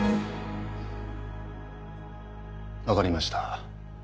分かりました。